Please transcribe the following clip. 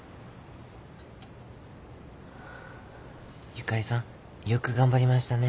ゆかりさんよく頑張りましたね。